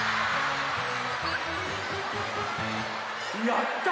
やった！